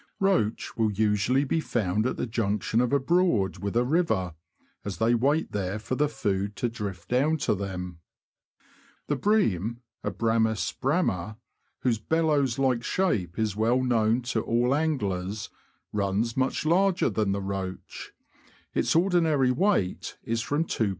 Roach will usually be found at the junction of a THE FISH OF THE BROADS. 283 Broad with a river, as they wait there for the food to drift down to them. The Bream [Abramts bramd), whose bellows like shape is well known to all anglers, runs much larger than the roach ; its ordinary weight is from 2lb.